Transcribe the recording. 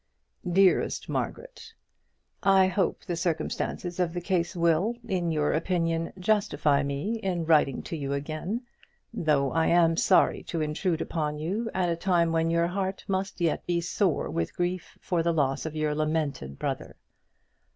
DEAREST MARGARET, I hope the circumstances of the case will, in your opinion, justify me in writing to you again, though I am sorry to intrude upon you at a time when your heart must yet be sore with grief for the loss of your lamented brother.